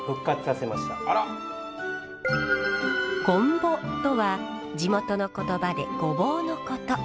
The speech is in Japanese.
ごんぼとは地元の言葉でごぼうのこと。